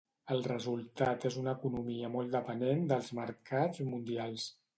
El resultat és una economia molt depenent dels mercats mundials.